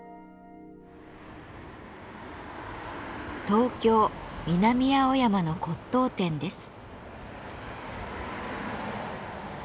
東京・南青山の骨とう店です。